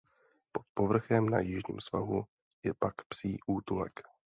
Pod vrcholem na jižním svahu je pak psí útulek.